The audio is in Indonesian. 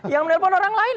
yang menelpon orang lain